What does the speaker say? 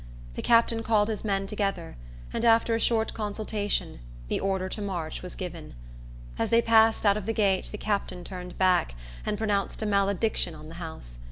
The captain called his men together, and, after a short consultation, the order to march was given. As they passed out of the gate, the captain turned back, and pronounced a malediction on the house.